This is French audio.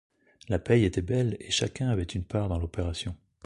La paye était belle, et chacun avait une part dans l’opération.